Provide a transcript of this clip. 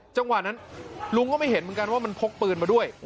จังหวะนั้นลุงก็ไม่เห็นเหมือนกันว่ามันพกปืนมาด้วย